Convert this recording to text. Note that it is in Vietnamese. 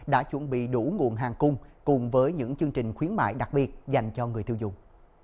đã chuẩn bị đủ nguồn hàng cung cùng với những chương trình khuyến mại đặc biệt dành cho người tiêu dùng